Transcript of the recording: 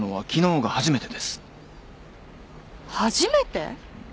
初めて？